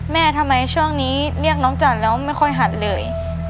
แม่ทำไมช่วงนี้เรียกน้องจันทร์แล้วไม่ค่อยหัดเลย